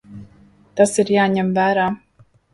Tas ir jāņem vērā.